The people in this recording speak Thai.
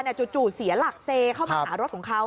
จู่เสียหลักเซเข้ามาหารถของเขา